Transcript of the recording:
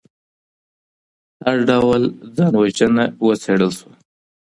هر ډول ځان وژنه وڅیړل سوه.